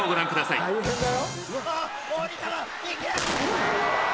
いけ！